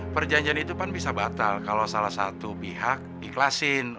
perjanjian itu kan bisa batal kalau salah satu pihak ikhlasin